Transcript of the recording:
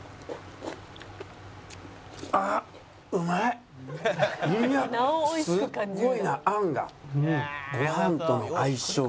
あっうまい！